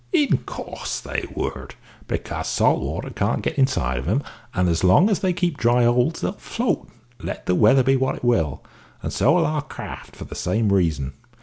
In course they would, because salt water can't get inside of 'em, and as long as they keep dry holds they'll float, let the weather be what it will, and so 'll our craft, for the same reason.